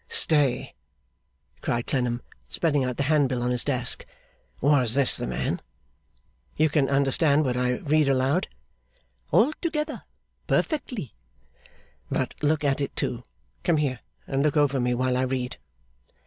'Stay!' cried Clennam, spreading out the handbill on his desk. 'Was this the man? You can understand what I read aloud?' 'Altogether. Perfectly.' 'But look at it, too. Come here and look over me, while I read.